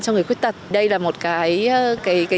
cho người khuyết tật đây là một cái